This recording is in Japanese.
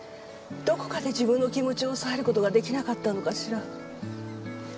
どこかで自分の気持ちを抑える事が出来なかったのかしら。